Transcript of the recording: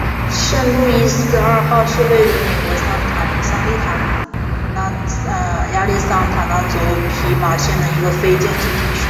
圣路易斯二号是位于美国亚利桑那州皮马县的一个非建制地区。